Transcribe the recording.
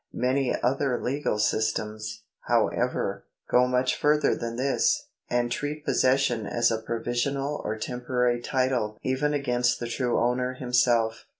Many other legal systems,^ however, go much further than this, and treat possession as a provisional or temporary title even against the true owner himself.